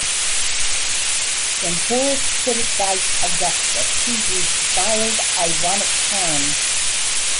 When Horace criticized Augustus, he used veiled ironic terms.